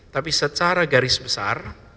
tapi secara garis besar